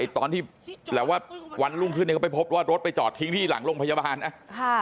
ตอนที่แบบว่าวันรุ่งขึ้นเนี่ยก็ไปพบว่ารถไปจอดทิ้งที่หลังโรงพยาบาลนะ